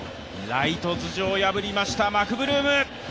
ライト頭上を破りました、マクブルーム。